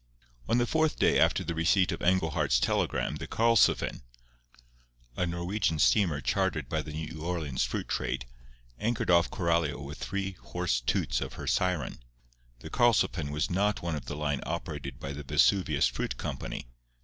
On the fourth day after the receipt of Englehart's telegram the Karlsefin, a Norwegian steamer chartered by the New Orleans fruit trade, anchored off Coralio with three hoarse toots of her siren. The Karlsefin was not one of the line operated by the Vesuvius Fruit Company.